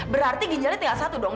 berarti ginjalnya tinggal satu dong